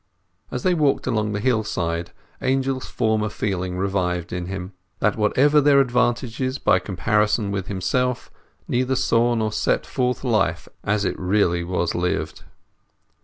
As they walked along the hillside Angel's former feeling revived in him—that whatever their advantages by comparison with himself, neither saw or set forth life as it really was lived.